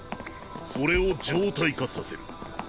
それを常態化させる。